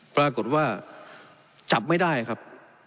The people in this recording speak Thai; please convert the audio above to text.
ปรากฏว่าจับไม่ได้ครับ